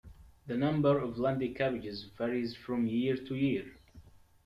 The number of Lundy cabbages varies from year to year.